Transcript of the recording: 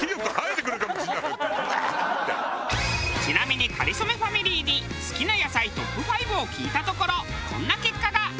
ちなみに『かりそめ』ファミリーに好きな野菜トップ５を聞いたところこんな結果が。